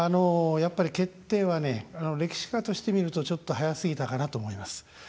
やっぱり、決定は歴史家として見るとちょっと早すぎたかなと思います。